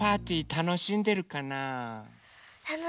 たのしんでるかな？